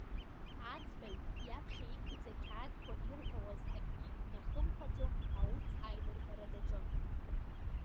Аӡбаҩ, иаԥхьа иқәыз ақьаадқәа ирҳәауаз акгьы днахымԥаӡо, аус аилыргара даҿын.